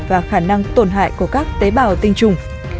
và khả năng tổn hại của các tế bào tinh trùng